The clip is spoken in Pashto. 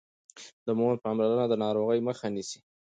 د مور پاملرنه د ناروغۍ مخه نيسي.